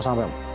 sampai di apa